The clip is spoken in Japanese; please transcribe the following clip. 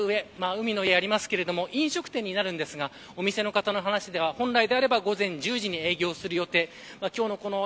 こちら、海の家がありますが飲食店になるんですがお店の方の話では本来であれば午前１０時に営業する予定。